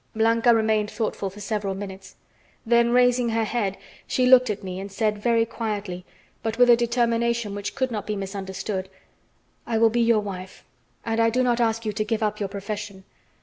Blanca remained thoughtful for several minutes; then, raising her head, she looked at me and said very quietly, but with a determination which could not be misunderstood: "I will be your wife, and I do not ask you to give up your profession.